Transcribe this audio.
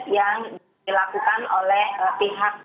yang dilakukan oleh pihak